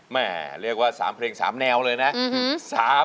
แม่เรียกว่า๓เพลง๓แนวเลยนะ